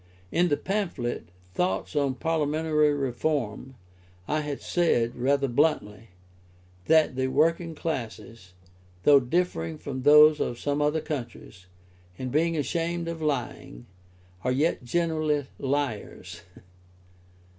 In the pamphlet, Thoughts on Parliamentary Reform, I had said, rather bluntly, that the working classes, though differing from those of some other countries, in being ashamed of lying, are yet generally liars.